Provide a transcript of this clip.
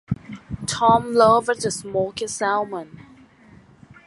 Tom loved the smoked salmon.